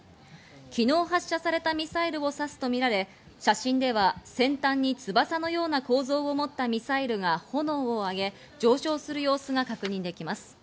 昨日発射されたミサイルを指すとみられ、写真では先端に翼のような構造持ったミサイルが炎を上げ上昇する様子が確認できます。